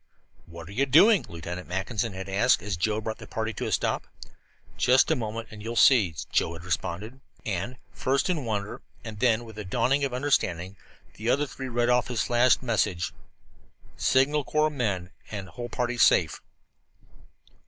"What are you doing?" Lieutenant Mackinson had asked, as Joe brought the party to a stop. "Just a moment and you will see," Joe had responded. And, first in wonder and then with a dawning understanding, the other three read off his flashed message: "Signal Corps men, and whole party safe."